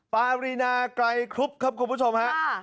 ปารีนาไกรคลุปครับคุณผู้ชมครับ